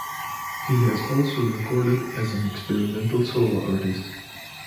He has also recorded as an experimental solo artist.